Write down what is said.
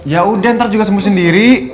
yaudah ntar juga sembuh sendiri